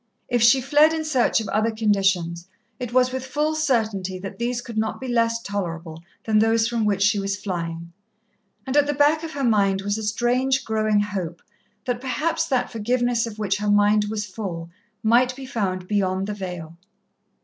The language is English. If she fled in search of other conditions, it was with full certainty that these could not be less tolerable than those from which she was flying, and at the back of her mind was a strange, growing hope that perhaps that forgiveness of which her mind was full, might be found beyond the veil.